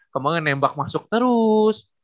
kemudian nembak masuk terus